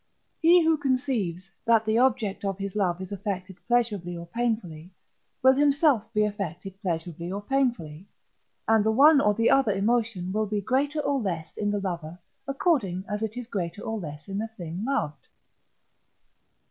He who conceives, that the object of his love is affected pleasurably or painfully, will himself be affected pleasurably or painfully; and the one or the other emotion will be greater or less in the lover according as it is greater or less in the thing loved.